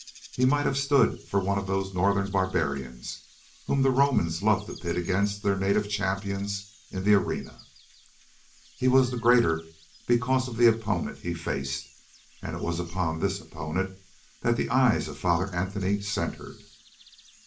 He might have stood for one of those northern barbarians whom the Romans loved to pit against their native champions in the arena. He was the greater because of the opponent he faced, and it was upon this opponent that the eyes of Father Anthony centered.